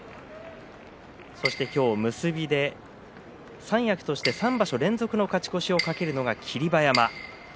そして今日結びで三役として３場所連続の勝ち越しを懸けるのが霧馬山。